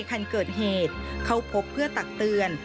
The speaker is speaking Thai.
คันเกิดเหตุเข้าพบเพื่อตักเตือน